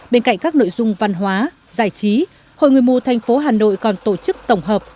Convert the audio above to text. bên cạnh các nội dung văn hóa giải trí hội người mù thành phố hà nội còn tổ chức tổng hợp